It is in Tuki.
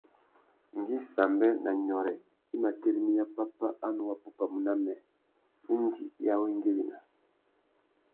Ngüi Sambê na Nyôrê i mà tirimiya pápá a nù wapupamú na mê, indi i awengüina.